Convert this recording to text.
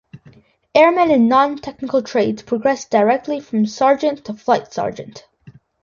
Airmen in non-technical trades progress directly from sergeant to flight sergeant.